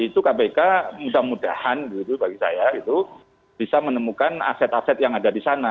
apakah juga nanti di australia itu kpk mudah mudahan bagi saya bisa menemukan aset aset yang ada di sana